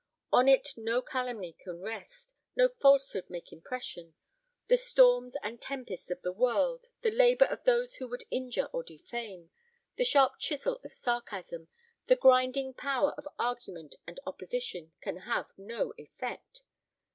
On it no calumny can rest, no falsehood make impression; the storms and tempests of the world, the labour of those who would injure or defame, the sharp chisel of sarcasm, the grinding power of argument and opposition, can have no effect.